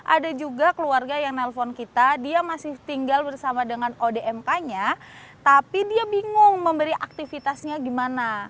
ada juga keluarga yang nelfon kita dia masih tinggal bersama dengan odmk nya tapi dia bingung memberi aktivitasnya gimana